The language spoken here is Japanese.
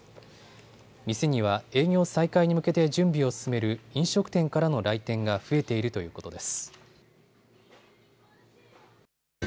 店には営業再開に向けて準備を進める飲食店からの来店が増えているということです。